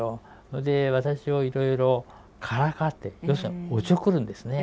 それで私をいろいろからかって要するにおちょくるんですね。